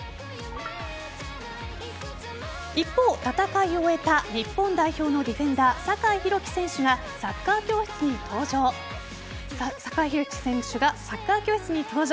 一方、戦いを終えた日本代表のディフェンダー酒井宏樹選手がサッカー教室に登場。